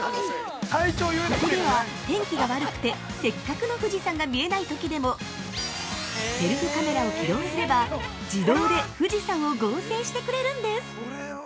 ◆ここでは、天気が悪くてせっかくの富士山が見えないときでもセルフカメラを起動すれば自動で富士山を合成してくれるんです。